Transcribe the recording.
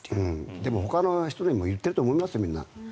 でも、ほかの人にも言っていると思いますよ